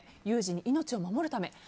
有事に命を守るため。